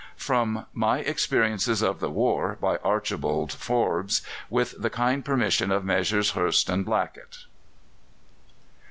From "My Experiences of the War," by Archibald Forbes. With the kind permission of Messrs. Hurst and Blackett.